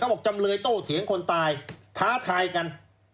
บอกจำเลยโต้เถียงคนตายท้าทายกัน